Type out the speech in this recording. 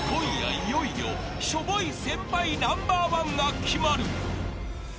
いよいよしょぼい先輩ナンバーワンが決まる］